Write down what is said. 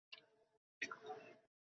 তাই ভাল পায়ের উপর ভর দিয়ে সোজা হয়ে দাঁড়ালেন।